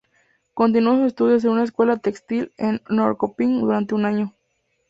Continuó sus estudios en una escuela textil en Norrköping durante un año.